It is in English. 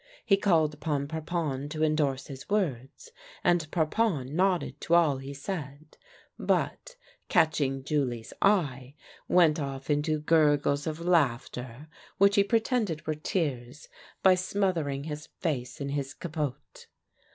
He called upon Parpon to endorse his words, and Parpon nodded to all he said, but, catching Julie's eye, went ofT into gurgles of laughter, which he pretended were tears, by smother ing his face in his capote.